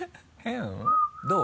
どう？